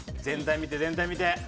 全体見て全体見て。